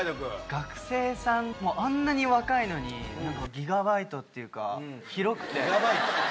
学生さん、もうあんなに若いのに、なんかギガバイトっていうか、広くて。